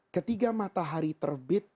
ketiga matahari terbit